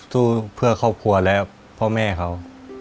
สู้เพื่อครอบครัวและพ่อแม่เขา